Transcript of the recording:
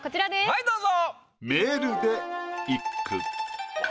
はいどうぞ！